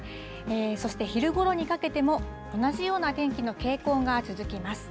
そして、昼ごろにかけても同じような天気の傾向が続きます。